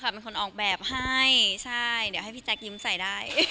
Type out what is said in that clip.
เป็นคนออกแบบให้ใช่เดี๋ยวให้พี่แจ๊คยิ้มใส่ได้